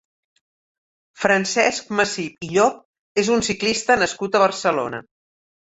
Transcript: Francesc Massip i Llop és un ciclista nascut a Barcelona.